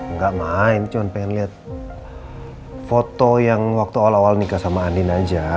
nggak main cuma pengen lihat foto yang waktu awal awal nikah sama andin aja